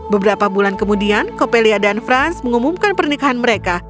beberapa bulan kemudian coppelia dan franz mengumumkan pernikahan mereka